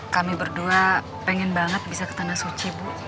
kami berdua pengen banget bisa ke tanah suci bu